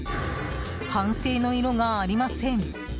反省の色がありません。